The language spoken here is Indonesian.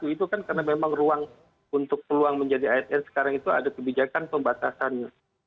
itu kan karena memang ruang untuk peluang menjadi asn sekarang itu ada kebijakan pembatasannya